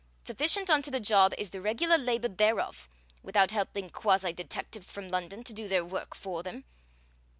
Sufficient unto the job is the regular labor thereof, without helping quasi detectives from London to do their work for them.